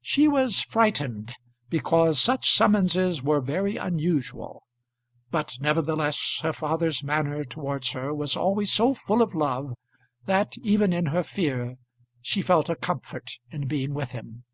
She was frightened, because such summonses were very unusual; but nevertheless her father's manner towards her was always so full of love that even in her fear she felt a comfort in being with him.